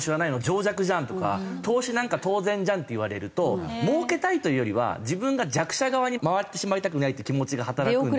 情弱じゃん」とか「投資なんか当然じゃん」って言われると儲けたいというよりは自分が弱者側に回ってしまいたくないという気持ちが働くんで。